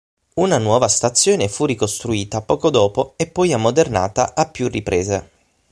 Una nuova stazione fu ricostruita poco dopo e poi ammodernata a più riprese.